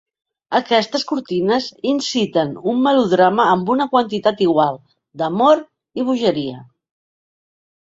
Aquestes cortines inciten un melodrama amb una quantitat igual d'amor i bogeria.